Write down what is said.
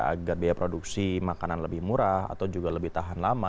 agar biaya produksi makanan lebih murah atau juga lebih tahan lama